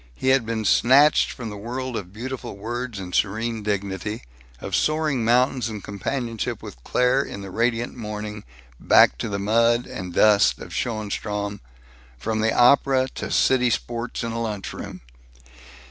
He had been snatched from the world of beautiful words and serene dignity, of soaring mountains and companionship with Claire in the radiant morning, back to the mud and dust of Schoenstrom, from the opera to "city sports" in a lunch room!